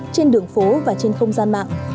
trên đường phố và trên không gian mạng